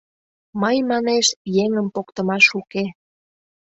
Мый, манеш, еҥым поктымаш уке.